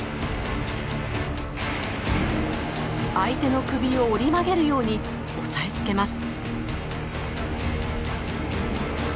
相手の首を折り曲げるように押さえつけます。